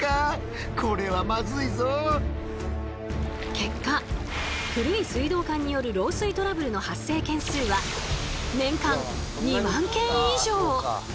結果古い水道管による漏水トラブルの発生件数は年間２万件以上。